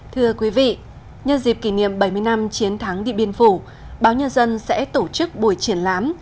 thưa quý vị nhân dịp kỷ niệm bảy mươi năm chiến thắng địa biên phủ báo nhân dân sẽ tổ chức buổi triển lãm